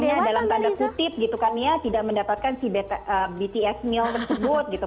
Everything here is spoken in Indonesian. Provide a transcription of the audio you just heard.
artinya dalam tanda kutip gitu kan ya tidak mendapatkan si bts meal tersebut gitu